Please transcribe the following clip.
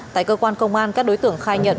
tại cơ quan công an các đối tượng khai nhận